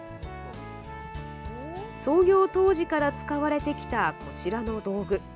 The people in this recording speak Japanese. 創業当時から使われてきたこちらの道具。